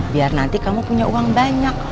biar nanti kamu punya uang banyak